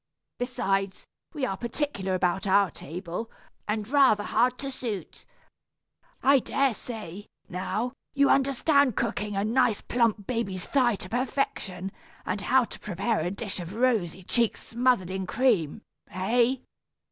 Besides, we are particular about our table, and rather hard to suit. I dare say, now, you understand cooking a nice plump baby's thigh to perfection, and how to prepare a dish of rosy cheeks smothered in cream, hey?